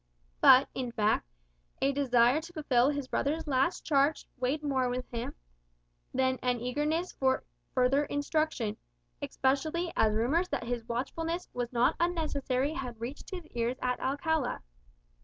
But, in fact, a desire to fulfil his brother's last charge weighed more with him than an eagerness for further instruction; especially as rumours that his watchfulness was not unnecessary had reached his ears at Alcala.